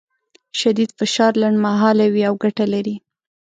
شدید فشار لنډمهاله وي او ګټه لري.